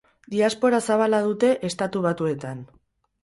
Diaspora zabala dute Estatu Batuetan.